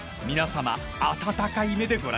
温かい目でご覧ください］